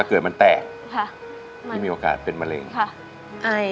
เกิดมันแตกค่ะที่มีโอกาสเป็นมะเร็งค่ะไอ